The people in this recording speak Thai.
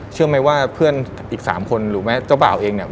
เชื่อไหมว่าเพื่อนอีก๓คนหรือแม้เจ้าบ่าวเองเนี่ย